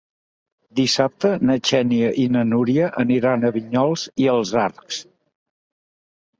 Dissabte na Xènia i na Núria aniran a Vinyols i els Arcs.